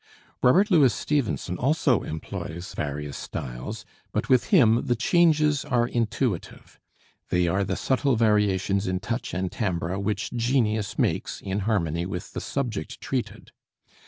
Robert Louis Stevenson also employs various styles; but with him the changes are intuitive they are the subtle variations in touch and timbre which genius makes, in harmony with the subject treated.